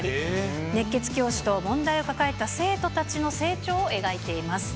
熱血教師と問題を抱えた生徒たちの成長を描いています。